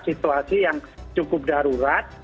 situasi yang cukup darurat